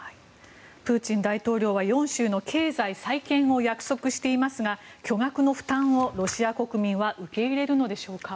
プーチン大統領は４州の経済再建を約束していますが巨額の負担をロシア国民は受け入れるのでしょうか。